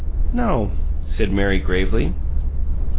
"No," said Mary, gravely.